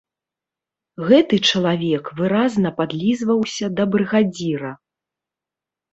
Гэты чалавек выразна падлізваўся да брыгадзіра.